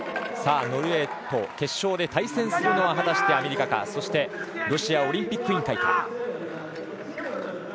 ノルウェーと決勝で対戦するのは果たしてアメリカかロシアオリンピック委員会か。